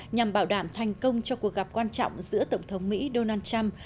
nhằm bảo đảm thành công cho cuộc gặp quan trọng giữa tổng thống mỹ donald trump